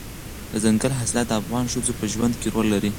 دځنګل حاصلات د افغان ښځو په ژوند کې رول لري.